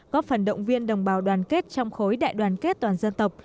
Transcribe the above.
góp phần động viên đồng bào đoàn kết trong khối đại đoàn kết toàn dân tộc